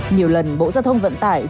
nhiều lần bộ giao thông vận tải xin khất